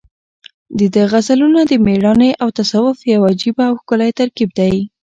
د ده غزلونه د مېړانې او تصوف یو عجیبه او ښکلی ترکیب دی.